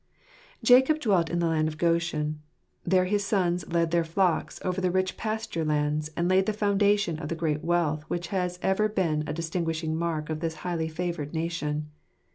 1 ACOB dwelt in the land of Goshen ; there his sons led their flocks over the rich pasture lands, and laid the foundation of the great wealth which has ever been a distinguishing mark of this highly favoured nation.